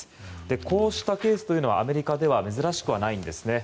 こうしたケースというのはアメリカでは珍しくはないんですね。